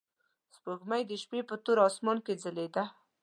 سپوږمۍ د شپې په تور اسمان کې ځلېده.